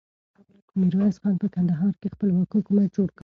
ميرويس خان په کندهار کې خپلواک حکومت جوړ کړ.